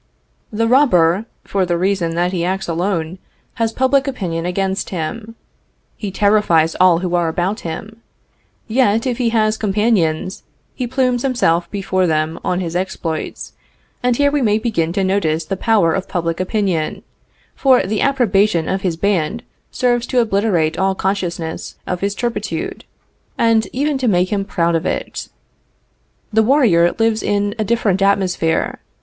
The robber, for the reason that he acts alone, has public opinion against him. He terrifies all who are about him. Yet, if he has companions, he plumes himself before them on his exploits, and here we may begin to notice the power of public opinion, for the approbation of his band serves to obliterate all consciousness of his turpitude, and even to make him proud of it. The warrior lives in a different atmosphere.